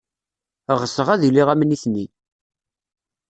Ɣseɣ ad iliɣ am nitni.